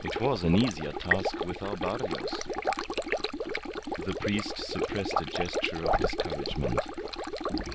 It was an easier task with our Barrios." The priest suppressed a gesture of discouragement.